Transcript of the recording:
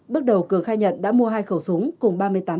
bước đầu cường khai nhận đã mua hai khẩu súng cùng ba mươi tám viên đạn trên